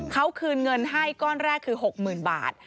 เขาคืนเงินให้ก้อนแรกคือ๖๐๐๐บาท